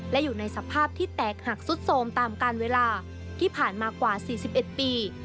และอยู่ในสภาพที่แตกหักสุดโทรมตามการเวลาที่ผ่านมากว่า๔๑ปี